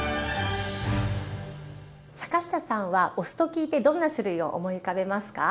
坂下さんはお酢と聞いてどんな種類を思い浮かべますか？